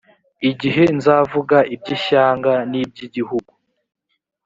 igihe nzavuga iby’ishyanga n’iby’igihugu